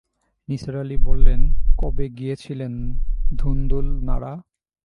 নিসার আলি বললেন, কবে গিয়েছিলেন ধুন্দুল নাড়া?